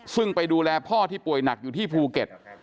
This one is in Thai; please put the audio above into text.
ซึ่งไปดูแลพ่อที่ป่วยหนักอยู่ที่ภูเก็ต